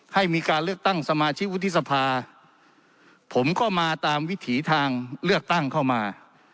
ให้มีการเลือกตั้งสมาชิกวุฒิสภาผมก็มาตามวิถีทางเลือกตั้งเข้ามา